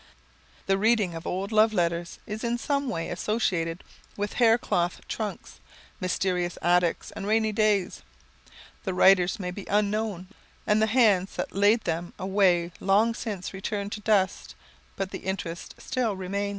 The reading of old love letters is in some way associated with hair cloth trunks, mysterious attics, and rainy days. The writers may be unknown and the hands that laid them away long since returned to dust, but the interest still remains.